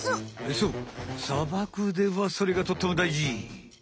そう砂漠ではそれがとってもだいじ。